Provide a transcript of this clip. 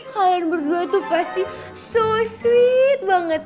kalian berdua tuh pasti so sweet banget